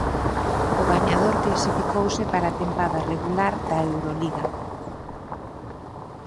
O gañador clasificouse para a tempada regular da Euroliga.